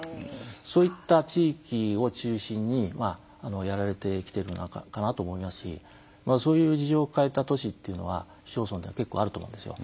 そういった地域を中心にやられてきているのかなと思いますしそういう事情を抱えた都市っていうのは市町村では結構あると思うんですよ。